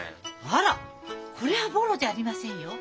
あらこれはボロじゃありませんよ。